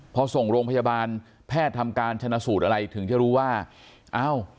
พอส่งโรงพยาบาลแพทย์ทำการชนะสูตรอะไรถึงจะรู้ว่าเอ้า